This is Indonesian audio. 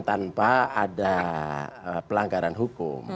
tanpa ada pelanggaran hukum